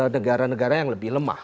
negara negara yang lebih lemah